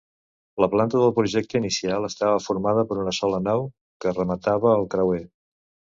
La planta del projecte inicial estava formada per una sola nau que rematava el creuer.